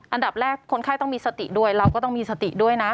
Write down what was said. อันดับแรกคนไข้ต้องมีสติด้วยเราก็ต้องมีสติด้วยนะ